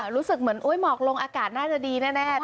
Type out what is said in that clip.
รู้สึกเหมือนหมอกลงอากาศน่าจะดีแน่